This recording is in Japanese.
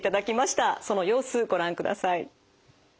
その様子ご覧ください。